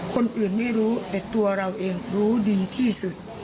คนอื่นไม่รู้แต่ตัวเราเองรู้ดีที่สุด